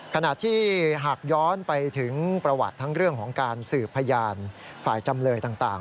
ขณะที่หากย้อนไปถึงประวัติทั้งเรื่องของการสืบพยานฝ่ายจำเลยต่าง